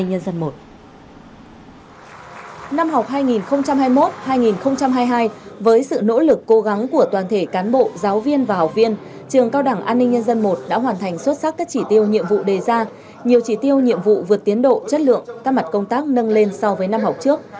năm học hai nghìn hai mươi một hai nghìn hai mươi hai với sự nỗ lực cố gắng của toàn thể cán bộ giáo viên và học viên trường cao đẳng an ninh nhân dân i đã hoàn thành xuất sắc các chỉ tiêu nhiệm vụ đề ra nhiều chỉ tiêu nhiệm vụ vượt tiến độ chất lượng các mặt công tác nâng lên so với năm học trước